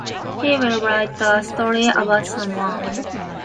He will write a story about someone.